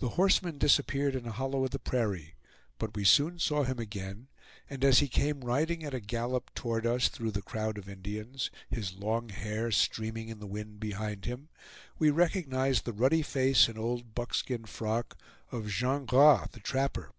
The horseman disappeared in a hollow of the prairie, but we soon saw him again, and as he came riding at a gallop toward us through the crowd of Indians, his long hair streaming in the wind behind him, we recognized the ruddy face and old buckskin frock of Jean Gras the trapper.